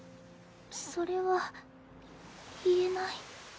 それは言えない。